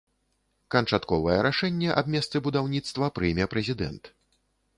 Канчатковае рашэнне аб месцы будаўніцтва прыме прэзідэнт.